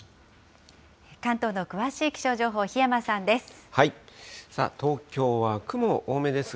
関東の詳しい気象情報、檜山さんです。